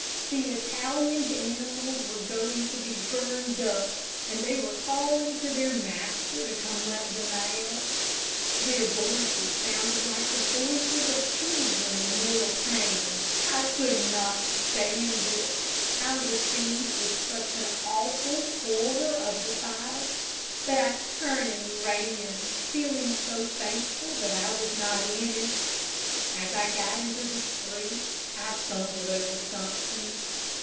The Italian's animals were going to be burned up and they were calling to their master to come and let them out. Their voices sounded like the voices of children in mortal pain. I could not stand it. I was seized with such an awful horror of the fire, that I turned and ran, feeling so thankful that I was not in it. As I got into the street I stumbled over something.